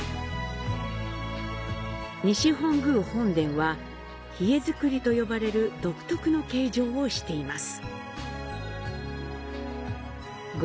西本宮本殿は、日吉造と呼ばれる独特の形状をしています。